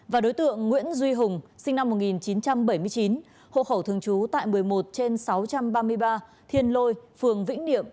và đối tượng nguyễn duy hùng sinh năm một nghìn chín trăm bảy mươi chín hộ khẩu thường trú tại một mươi một trên sáu trăm ba mươi ba thiên lôi phường vĩnh niệm